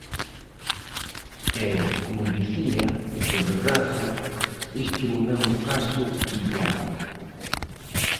E, como dicía, por desgraza, isto non é un caso illado.